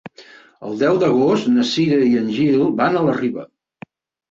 El deu d'agost na Cira i en Gil van a la Riba.